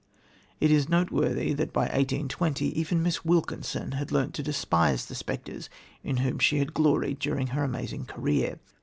It is noteworthy that by 1820 even Miss Wilkinson had learnt to despise the spectres in whom she had gloried during her amazing career.